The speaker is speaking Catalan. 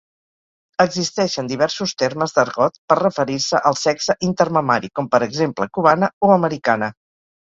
Existeixen diversos termes d'argot per referir-se al sexe intermamari, com per exemple cubana o americana.